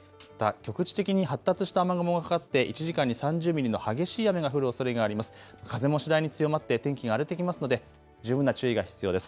局地的に発達した雨雲がかかって１時間に３０ミリの激しい雨が降るおそれがあります。